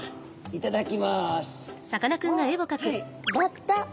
「いただきます」。